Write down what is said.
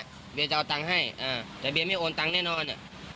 เบียจะเอาตังค์ให้แต่เบียไม่โอนตังค์แน่นอน